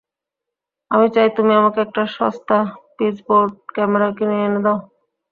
আমি চাই তুমি আমাকে একটা সস্তা পিচবোর্ড ক্যামেরা কিনে এনে দাও।